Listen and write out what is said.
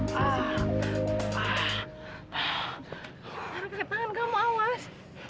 taruh kakek tangan kamu awas